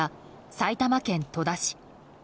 埼玉県戸田市。